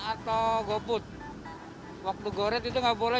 atau goput waktu goret itu nggak boleh